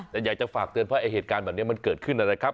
แต่อยากจะฝากเตือนเพราะไอ้เหตุการณ์แบบนี้มันเกิดขึ้นนะครับ